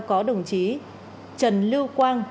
có đồng chí trần lưu quang